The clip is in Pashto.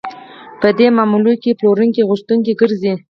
په دې معاملو کې پلورونکی غوښتونکی ګرځي